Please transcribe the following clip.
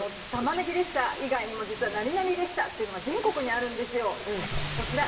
タマネギ列車以外にも実は何々列車というのが全国にあるんですよ。